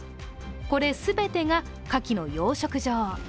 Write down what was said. これ全てかかきの養殖場。